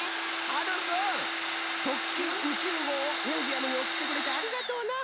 はるくん「特急宇宙号」をミュージアムにおくってくれてありがとうな。